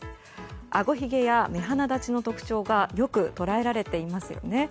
あごひげや目鼻立ちの特徴がよく捉えられていますよね。